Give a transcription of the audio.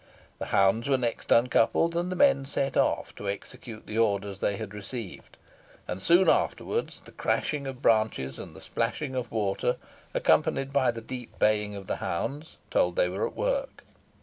The hounds were next uncoupled, and the men set off to execute the orders they had received, and soon afterwards the crashing of branches, and the splashing of water, accompanied by the deep baying of the hounds, told they were at work.